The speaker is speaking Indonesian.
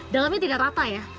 dalamnya tidak rata ya